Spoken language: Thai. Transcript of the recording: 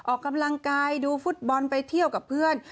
ออกกำลังกายดูฟุตบอลไปเที่ยวกับเพื่อน